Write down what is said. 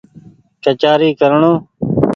ڪچآري ڪرڻو